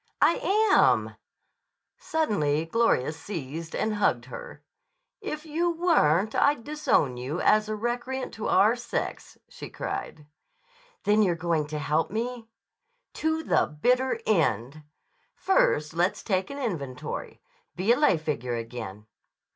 "I am." Suddenly Gloria seized and hugged her. "If you weren't, I'd disown you as a recreant to our sex," she cried. "Then you're going to help me?" "To the bitter end! First let's take an inventory. Be a lay figure again."